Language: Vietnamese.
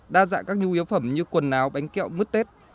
đa dạng các nhu yếu phẩm như quần áo bánh kẹo mứt tết